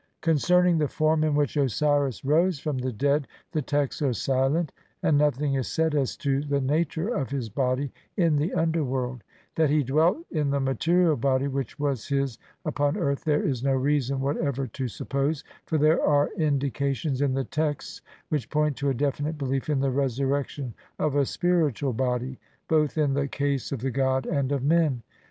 Concerning the form in which Osiris rose from the dead the texts are silent, and nothing is said as to the nature of his body in the underworld ; that he dwelt in the material body which was his upon earth there is no reason whatever to suppose, for there are in dications in the texts which point to a definite belief in the resurrection of a spiritual body, both in the case of the god and of men.